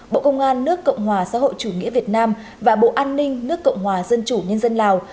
bộ công an nước cộng hòa xã hội chủ nghĩa việt nam và bộ an ninh nước cộng hòa dân chủ nhân dân lào